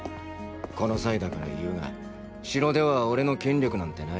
この際だから言うが城では俺の権力なんてない。